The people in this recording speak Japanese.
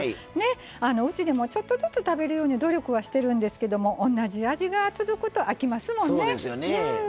うちでもちょっとずつ食べるように努力はしてるんですけども同じ味が続くと飽きますもんね。